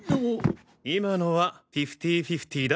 今のはフィフティフィフティだ。